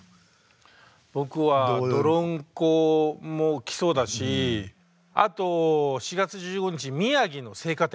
僕は「どろんこ」もきそうだしあと４月１５日「宮城の生花店」